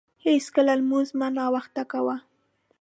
هیڅکله لمونځ مه ناوخته کاوه.